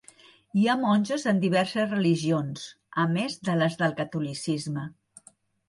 Hi ha monges en diverses religions, a més de les del catolicisme.